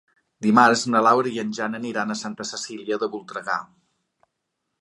Dimarts na Laura i en Jan aniran a Santa Cecília de Voltregà.